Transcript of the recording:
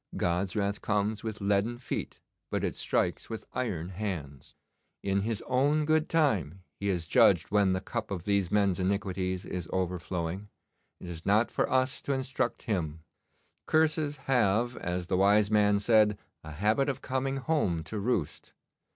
God's wrath comes with leaden feet, but it strikes with iron hands. In His own good time He has judged when the cup of these men's iniquities is overflowing. It is not for us to instruct Him. Curses have, as the wise man said, a habit of coming home to roost.